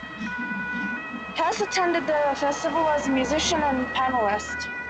Hess attended the festival as a musician and panelist.